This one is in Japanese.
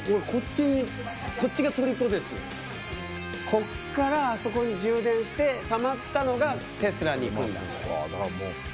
ここからあそこに充電してたまったのがテスラに行くんだ。